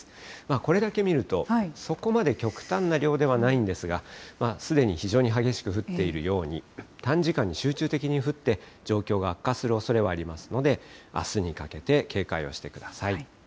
これだけ見ると、そこまで極端な量ではないんですが、すでに非常に激しく降っているように、短時間に集中的に降って、状況が悪化するおそれはありますので、あすにかけて警戒をしてください。